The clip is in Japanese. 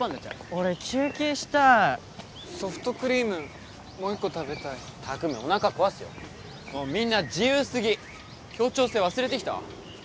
俺休憩したいソフトクリームもう一個食べたい巧おなか壊すよもうみんな自由すぎ協調性忘れてきた？